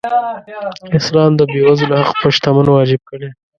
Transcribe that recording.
اسلام د بېوزلو حق په شتمن واجب کړی.